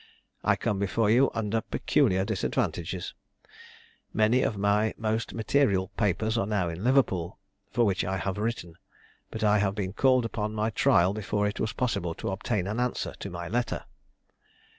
I come before you under peculiar disadvantages. Many of my most material papers are now at Liverpool, for which I have written; but I have been called upon my trial before it was possible to obtain an answer to my letter.